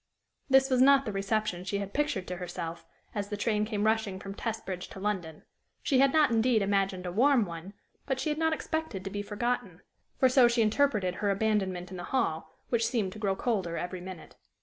This was not the reception she had pictured to herself, as the train came rushing from Testbridge to London; she had not, indeed, imagined a warm one, but she had not expected to be forgotten for so she interpreted her abandonment in the hall, which seemed to grow colder every minute.